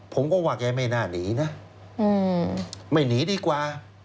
ผมก็ว่าแกไม่น่าหนีนะไม่หนีดีกว่า